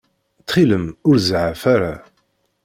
Ttxil-m, ur zeɛɛef ara.